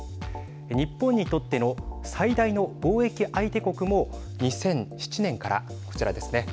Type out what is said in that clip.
日本にとっての最大の貿易相手国も２００７年からこちらですね。